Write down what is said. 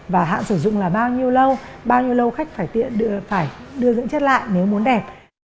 và hạn sử dụng là bao nhiêu lâu bao nhiêu lâu khách phải tiện phải đưa dưỡng chất lại nếu muốn đẹp